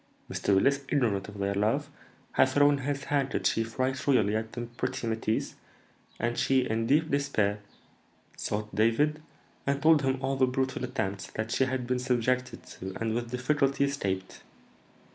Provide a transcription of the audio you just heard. Mr. Willis, ignorant of their love, had thrown his handkerchief right royally at the pretty métisse, and she, in deep despair, sought David, and told him all the brutal attempts that she had been subjected to and with difficulty escaped.